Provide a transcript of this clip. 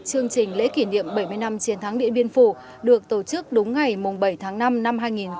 chương trình lễ kỷ niệm bảy mươi năm chiến thắng điện biên phủ được tổ chức đúng ngày bảy tháng năm năm hai nghìn một mươi chín